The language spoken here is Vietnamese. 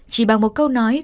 chỉ bằng một câu nói